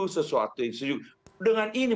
sesuatu yang sejuk dengan ini